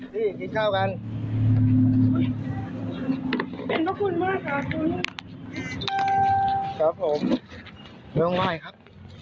พี่กินข้าวกันเป็นทุกคนมาครับคุณครับผมไม่ต้องไหว้ครับ